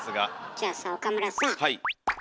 じゃあさ岡村さぁこれ。